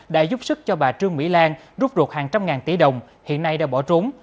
đã giúp sức cho bà trương mỹ lan rút ruột hàng trăm ngàn tỷ đồng hiện nay đã bỏ trốn